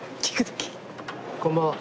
こんばんは。